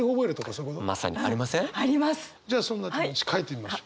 じゃあそんな気持ち書いてみましょう。